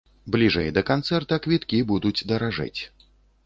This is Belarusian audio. Бліжэй да канцэрта квіткі будуць даражэць.